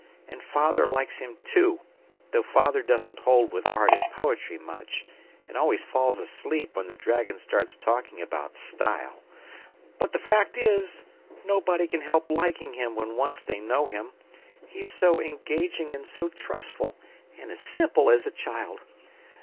And father likes him too, though father doesn't hold with art and poetry much, and always falls asleep when the dragon starts talking about STYLE. But the fact is, nobody can help liking him when once they know him. He's so engaging and so trustful, and as simple as a child!"